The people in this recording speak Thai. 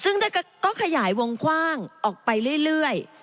ซึ่งก็ขยายวงกว้างออกไปเรื่อย